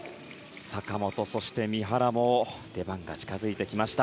坂本、そして三原も出番が近づいてきました。